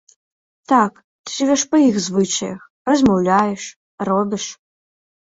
Так, ты жывеш па іх звычаях, размаўляеш, робіш.